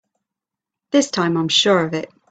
This time I'm sure of it!